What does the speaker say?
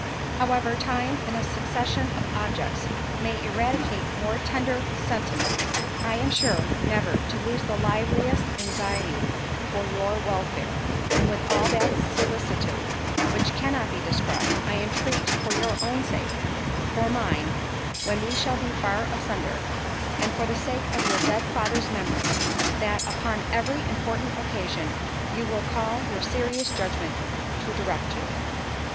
"However time, and a succession of objects, may eradicate more tender sentiments, I am sure never to lose the liveliest anxiety for your welfare—and with all that solicitude, which cannot be described, I entreat for your own sake, for mine—when we shall be far asunder—and for the sake of your dead father's memory, that, upon every important occasion, you will call your serious judgment to direct you.